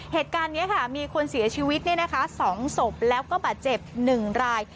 เหตุการณ์นี้ค่ะมีคนเสียชีวิต๒ศพแล้วก็บาดเจ็บ๑ราย